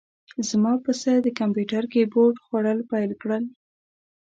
زما پسه د کمپیوتر کیبورډ خوړل پیل کړل.